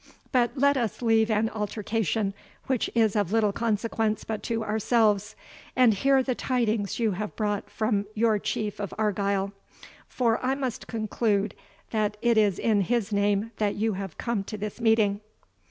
But let us leave an altercation, which is of little consequence but to ourselves, and hear the tidings you have brought from your Chief of Argyle; for I must conclude that it is in his name that you have come to this meeting."